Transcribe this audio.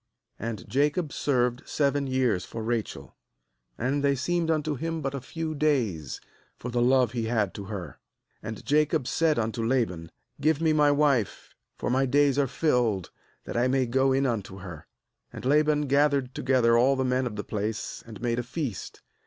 20And Jacob served seven years for Rachel; and they seemed unto him but a few days, for the love he had to her. ^And Jacob said unto Laban: 'Give me my wife, for my days are fulfilled, that I may go in unto her.' ^And Laban gathered together all the men of the place, and made a feast.